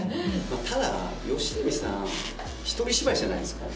ただ吉住さん一人芝居じゃないですか。